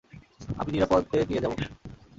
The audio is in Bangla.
আমি নিরাপদে নিয়ে যাবো।